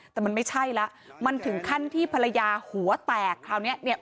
แต่มันไม่ใช่แล้วมันถึงขั้นที่ภรรยาหัวแตกคราวนี้เนี่ย